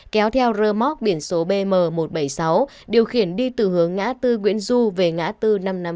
kéo theo rơ móc biển số bm một trăm bảy mươi sáu điều khiển đi từ hướng ngã tư nguyễn du về ngã tư năm trăm năm mươi bốn